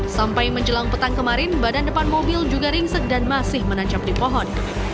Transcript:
sampai menjelang petang kemarin badan depan mobil juga ringsek dan masih menancap di pohon